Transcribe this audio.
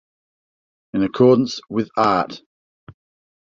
In accordance with Art.